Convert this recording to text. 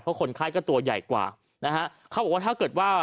เพราะคนไข้ก็ตัวใหญ่กว่านะฮะเขาบอกว่าถ้าเกิดว่า